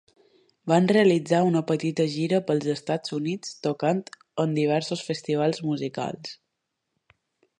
Van realitzar una petita gira pels Estats Units tocant en diversos festivals musicals.